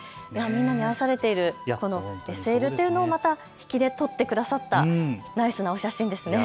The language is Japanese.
みんなに愛されているＳＬというのを切り取ってくださったナイスなお写真ですね。